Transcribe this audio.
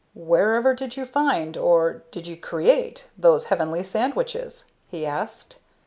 "Whenever did you find or did you create? those heavenly sandwiches?" he asked.